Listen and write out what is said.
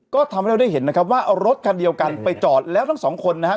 ก็ทำให้เราได้เห็นนะครับว่ารถคันเดียวกันไปจอดแล้วทั้งสองคนนะฮะ